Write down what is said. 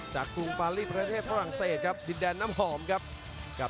ประโยชน์ทอตอร์จานแสนชัยกับยานิลลาลีนี่ครับ